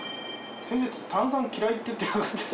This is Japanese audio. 先生、炭酸嫌いって言って。